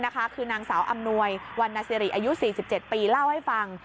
คือนางสาวอำนวยวันนาสิริอายุ๔๗ปีเล่าให้ฟัง